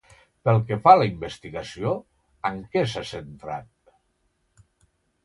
Pel que fa a la investigació, en què s'ha centrat?